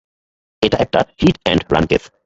এটা একটা hit and run case.